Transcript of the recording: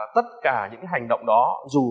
tất cả những cái hành động đó dù